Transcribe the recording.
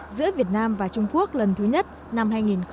giữa việt nam và trung quốc lần thứ nhất năm hai nghìn một mươi bảy